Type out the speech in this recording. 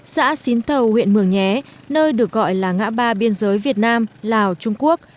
xã xín thầu huyện mường nhé nơi được gọi là ngã ba biên giới việt nam lào trung quốc